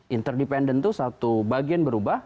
interdependen itu satu bagian berubah